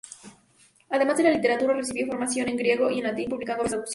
Además de la literatura, recibió formación en griego y latín, publicando varias traducciones.